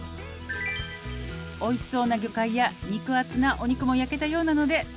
「おいしそうな魚介や肉厚なお肉も焼けたようなので」